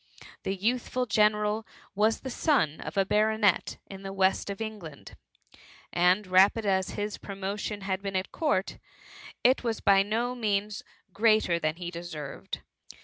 The youthful general was the son of a ba« ronet in the West of England^ and rapid as his promotion had been at court, it was by no means greater than he deserved.